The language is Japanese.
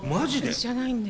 じゃないんです。